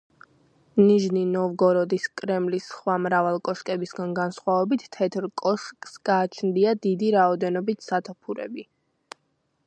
ნიჟნი-ნოვგოროდის კრემლის სხვა მრგვალი კოშკებისაგან განსხვავებით თეთრ კოშკს გააჩნია დიდი რაოდენობით სათოფურები.